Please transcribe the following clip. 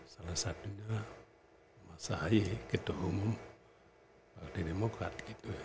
salah satunya mas ahy ketua umum partai demokrat gitu ya